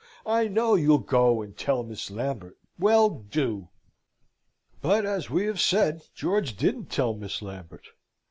I know you'll go and tell Miss Lambert. Well, do!" But, as we have said, George didn't tell Miss Lambert.